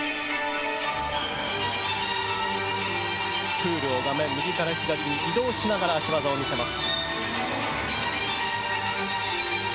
プールを画面右から左に移動しながら脚技を見せます。